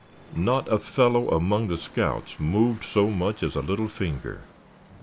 Not a fellow among the scouts moved so much as a little finger.